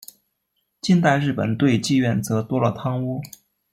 近代日本对妓院则多了汤屋。